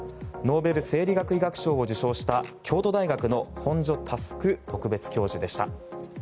ノーベル生理学医学賞を受賞した京都大学の本庶佑特別教授でした。